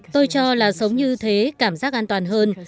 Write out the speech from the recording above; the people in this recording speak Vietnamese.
tôi cho là sống như thế cảm giác an toàn hơn